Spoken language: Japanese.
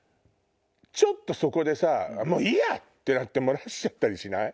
そこでもういいや！ってなって漏らしちゃったりしない？